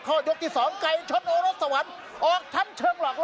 ข้อยกที่สองไก่ชนโอโรสวรรค์ออกทั้งเชิงหลอกล่อ